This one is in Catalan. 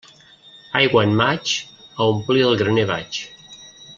Aigua en maig, a omplir el graner vaig.